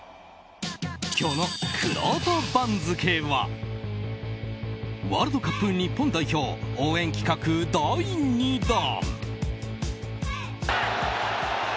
今日のくろうと番付はワールドカップ日本代表応援企画第２弾！